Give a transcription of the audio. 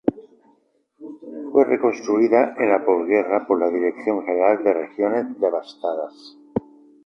Fue reconstruida en la posguerra por la Dirección General de Regiones Devastadas.